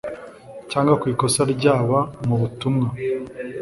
cyangwa ku ikosa ryaba mu butumwa